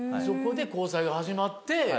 そこで交際が始まって。